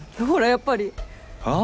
やっぱり。はあ？